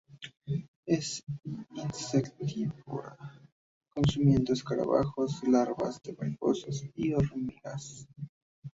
Es insectívora, consumiendo escarabajos, larvas de mariposas y hormigas.